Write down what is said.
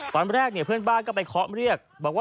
ตอนแรกเนี่ยเพื่อนบ้านก็ไปเคาะเรียกบอกว่า